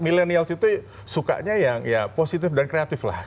millennials itu sukanya yang positif dan kreatif lah